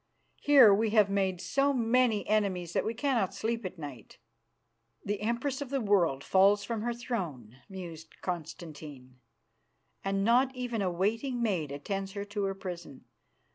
Here we have made so many enemies that we cannot sleep at night." "The Empress of the World falls from her throne," mused Constantine, "and not even a waiting maid attends her to her prison.